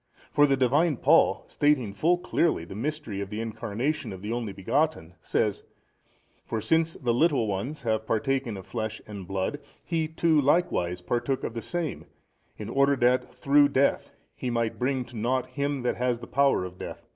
for the Divine Paul stating full clearly the Mystery of the Incarnation of the Only Begotten, says, For since the little ones have partaken of blood and flesh, He too likewise partook of the same in order that through death He might bring to nought him that has the power of death, i.